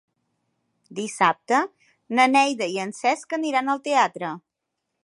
Dissabte na Neida i en Cesc aniran al teatre.